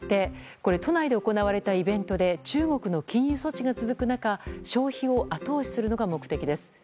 これ、都内で行われたイベントで中国の禁輸措置が続く中消費を後押しするのが目的です。